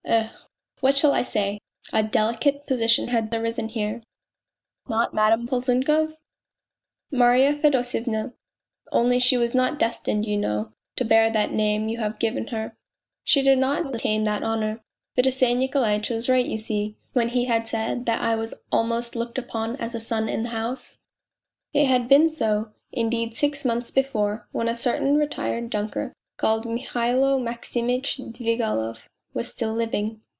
eh, what shall I say ? a delicate position had arisen here." " Not Madame Polzunkov ?"" Marya Fedosyevna, only she was not destined, you know, to bear the name you have given her; she did not attain that honour. Fedosey Nikolaitch was right, you see, when he said that I was almost looked upon as a son in the house; it had been so, indeed, six months before, when a certain retired junker called Mihailo Maximitch Dvigailov. was still living.